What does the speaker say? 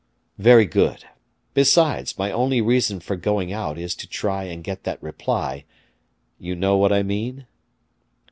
"Very good. Besides, my only reason for going out is to try and get that reply, you know what I mean?"